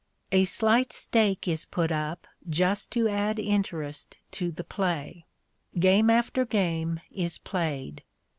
A slight stake is put up just to add interest to the play. Game after game is played.